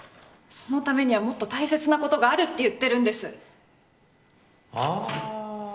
そのためにはもっと大切なことがあるって言ってるんです。